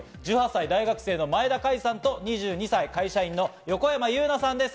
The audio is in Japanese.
１８歳大学生の前田海さんと２２歳会社員の横山夕奈さんです。